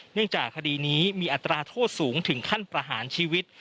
เนื่องจากคดีนี้มีอัตราโทษสูงถึงขั้นประหารชีวิต